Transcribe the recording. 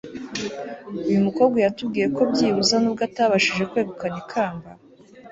uyu mukobwa yatubwiye ko byibuza nubwo atabashije kwegukana ikamba